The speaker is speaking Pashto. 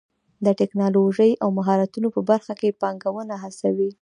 د ټکنالوژۍ او مهارتونو په برخه کې پانګونه هڅوي.